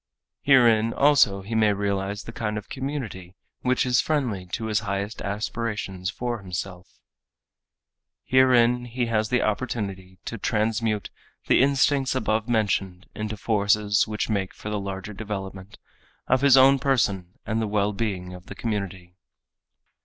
Herein also he may realize the kind of community which is friendly to his highest aspirations for himself. Herein he has the opportunity to transmute the instincts above mentioned into forces which make for the larger development of his own person and the well being of the community.